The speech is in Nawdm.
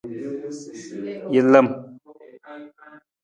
Jalam.